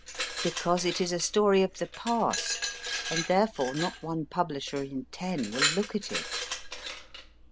Because it is a story of the past, and therefore not one publisher in ten will look at it.